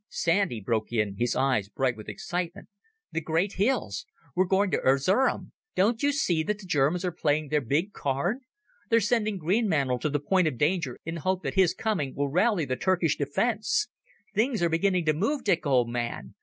Sandy broke in, his eyes bright with excitement. "The great hills! ... We're going to Erzerum ... Don't you see that the Germans are playing their big card? They're sending Greenmantle to the point of danger in the hope that his coming will rally the Turkish defence. Things are beginning to move, Dick, old man.